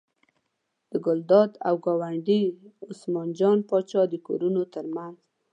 د ګلداد او ګاونډي عثمان جان پاچا د کورونو تر منځ.